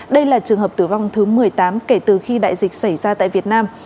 đây là trường hợp tử vong thứ một mươi tám kể từ khi đại dịch xảy ra tại việt nam